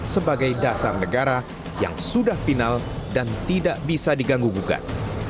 sebagai dasar negara yang sudah final dan tidak bisa diganggu gugat